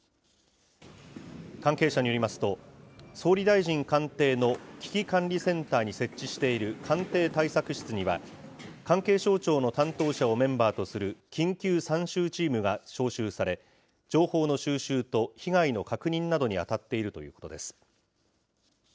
関係者によりますと、総理大臣官邸の危機管理センターに設置している官邸対策室には、関係省庁の担当者をメンバーとする緊急参集チームが招集され、情報の収集と被害の確認などに当たっているということです。